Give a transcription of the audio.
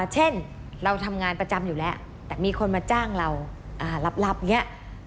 เช่นเราทำงานประจำอยู่แล้วแต่มีคนมาจ้างเรารับอย่างนี้